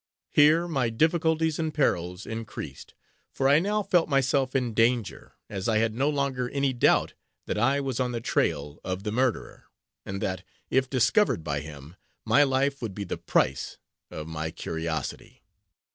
Here my difficulties and perils increased, for I now felt myself in danger, as I had no longer any doubt, that I was on the trail of the murderer, and that, if discovered by him, my life would be the price of my curiosity.